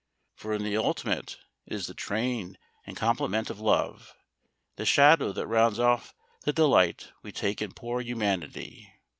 For in the ultimate it is the train and complement of Love, the shadow that rounds off the delight we take in poor humanity.